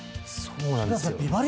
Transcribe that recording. そうなんですよ。